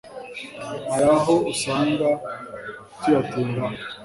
hari aho usanga tuyatindaho